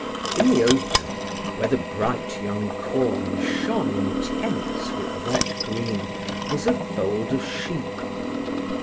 In the open, where the bright young corn shone intense with wet green, was a fold of sheep.